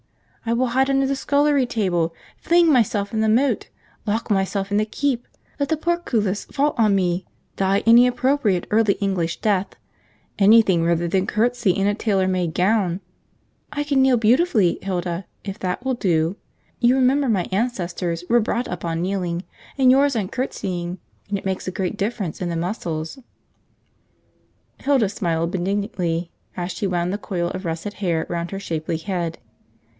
I will hide under the scullery table, fling myself in the moat, lock myself in the keep, let the portcullis fall on me, die any appropriate early English death, anything rather than curtsy in a tailor made gown; I can kneel beautifully, Hilda, if that will do: you remember my ancestors were brought up on kneeling, and yours on curtsying, and it makes a great difference in the muscles." Hilda smiled benignantly as she wound the coil of russet hair round her shapely head.